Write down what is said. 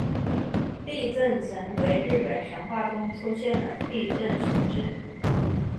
地震神为日本神话中出现的地震神只。